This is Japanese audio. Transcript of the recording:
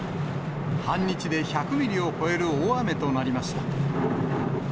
半日で１００ミリを超える大雨となりました。